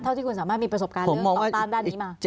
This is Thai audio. เท่าที่คุณสามารถมีประสบการณ์ต่อตามด้านนี้มา